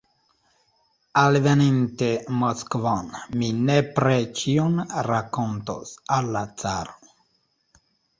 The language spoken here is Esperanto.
Alveninte Moskvon, mi nepre ĉion rakontos al la caro.